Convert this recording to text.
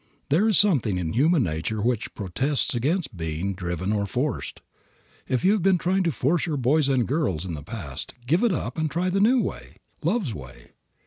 There is something in human nature which protests against being driven or forced. If you have been trying to force your boys and girls in the past, give it up and try the new way, love's way.